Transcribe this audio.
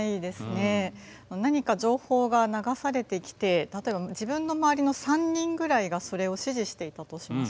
何か情報が流されてきて例えば自分の周りの３人ぐらいがそれを支持していたとします。